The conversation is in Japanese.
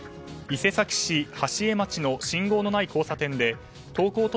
伊勢崎市波志江町の信号のない交差点で登校